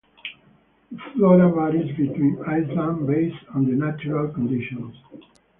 The flora varies between islands, based on the natural conditions.